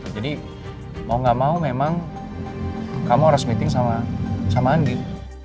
jadi mau gak mau memang kamu harus meeting sama andien